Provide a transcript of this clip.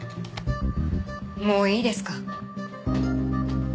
もういいですか？